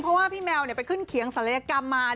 เพราะว่าพี่แมวไปขึ้นเขียงศัลยกรรมมา